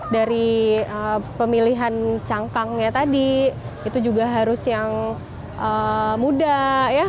dari pemilihan cangkangnya tadi itu juga harus yang muda ya